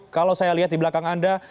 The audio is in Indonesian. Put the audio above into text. kalau saya lihat di belakang anda